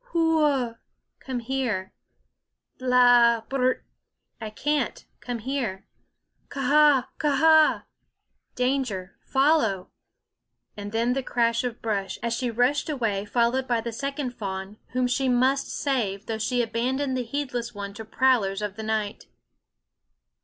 Hoo wuh, " come here." Bla a a, blr r t, " I can't ; come here." Ka a a h, ka a a h !" danger, follow !" and then the crash of brush as she rushed away, followed by the second fawn ; whom she must save, though she abandoned the heed less one to prowlers of the night.